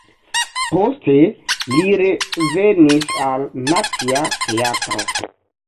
Poste li revenis al Nacia Teatro.